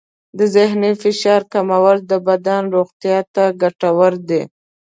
د ذهني فشار کمول د بدن روغتیا ته ګټور دی.